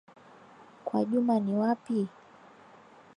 Kwa Juma ni wapi?